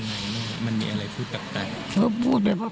เพราะว่าวันที่นึงแม่พูดกับเขา